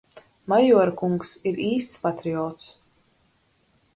Majora kungs ir īsts patriots.